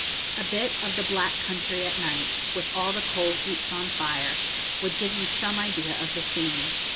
A bit of the 'black country' at night, with all the coal heaps on fire, would give you some idea of the scene.